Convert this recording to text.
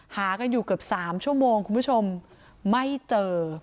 หากันอยู่เกือบ๓ชั่วโมงคุณผู้ชมไม่เจอ